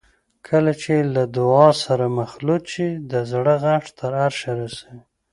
چې کله له دعا سره مخلوط شي د زړه غږ تر عرشه رسوي.